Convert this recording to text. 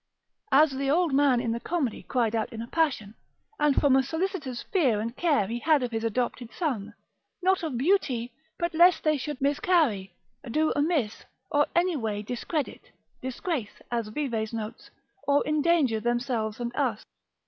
As the old man in the comedy cried out in a passion, and from a solicitous fear and care he had of his adopted son; not of beauty, but lest they should miscarry, do amiss, or any way discredit, disgrace (as Vives notes) or endanger themselves and us.